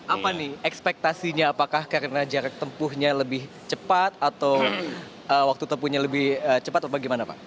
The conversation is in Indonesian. apa nih ekspektasinya apakah karena jarak tempuhnya lebih cepat atau waktu tempuhnya lebih cepat atau bagaimana pak